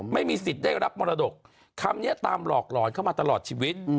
ไม่มีสิทธิ์ได้รับมรดกคำนี้ตามหลอกหลอนเข้ามาตลอดชีวิต